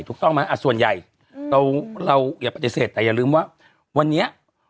ถูกต้องมั้ยอ่ะส่วนใหญ่อืมเราเราอย่าปฏิเสธแต่อย่าลืมว่าวันนี้